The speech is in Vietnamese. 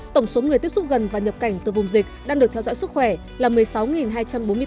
tổng số người tiếp xúc gần và nhập cảnh từ vùng dịch đang được theo dõi sức khỏe là một mươi sáu hai trăm bốn mươi tám người